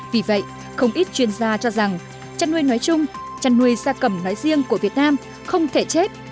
vì vậy không ít chuyên gia cho rằng chăn nuôi nói chung chăn nuôi gia cầm nói riêng của việt nam không thể chết